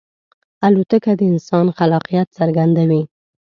الوتکه د انسان خلاقیت څرګندوي.